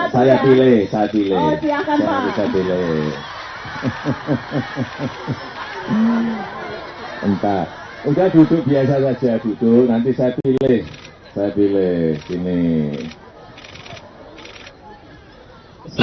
siapa yang mau duduk dekat pak jokowi disini tapi tapi tapi tapi tapi